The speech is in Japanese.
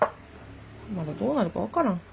まだどうなるか分からん。